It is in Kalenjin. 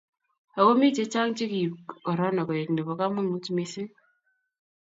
ak ko mi chechang che ki ib korona koek nebo kamangut mising